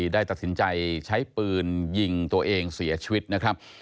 ได้ตัดสินใจใช้ปืนยิงตัวเองเสียชีวิตนะครับ